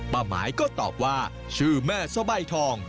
หมายก็ตอบว่าชื่อแม่สบายทอง